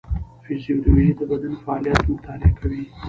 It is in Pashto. فیزیولوژي د بدن فعالیت مطالعه کوي